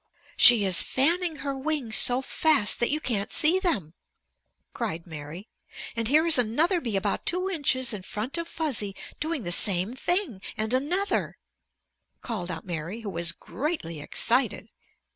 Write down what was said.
"She is fanning her wings so fast that you can't see them," cried Mary. "And here is another bee about two inches in front of Fuzzy doing the same thing; and another," called out Mary, who was greatly excited.